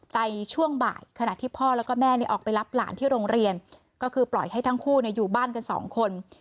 ช่วงบ่ายขณะที่พ่อแล้วก็แม่ออกไปรับหลานที่โรงเรียนก็คือปล่อยให้ทั้งคู่อยู่บ้านกันสองคน